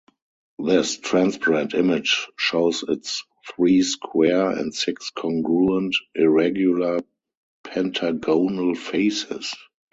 This transparent image shows its three square, and six congruent irregular pentagonal faces.